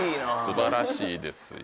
素晴らしいですよ